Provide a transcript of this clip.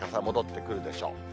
戻ってくるでしょう。